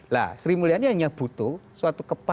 nah sri mulyani hanya butuh suatu kepala